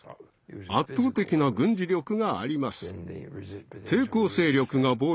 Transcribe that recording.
圧倒的な軍事力があります。